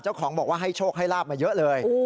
เจ้าของบอกว่าให้โชคให้ลาบมาเยอะเลย